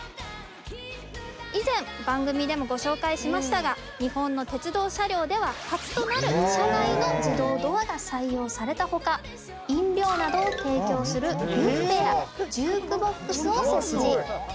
以前番組でもご紹介しましたが日本の鉄道車両では初となる車内の自動ドアが採用された他飲料などを提供するビュフェやジュークボックスを設置。